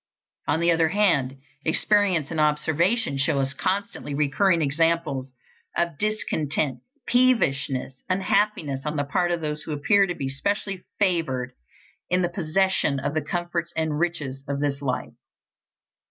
On the other hand, experience and observation show us constantly recurring examples of discontent, peevishness, unhappiness, on the part of those who appear to be specially favored in the possession of the comforts and riches of this life.